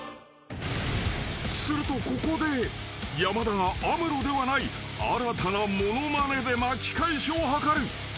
［するとここで山田がアムロではない新たな物まねで巻き返しを図る］